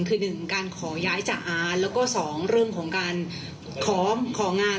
คือหนึ่งการขอย้ายจากอ่านแล้วก็สองเรื่องของการขอของาน